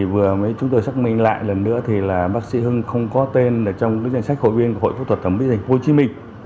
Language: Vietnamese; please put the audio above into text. vừa mới chúng tôi xác minh lại lần nữa thì là bác sĩ hưng không có tên trong danh sách hội viên của hội phẫu thuật thẩm mỹ tp hcm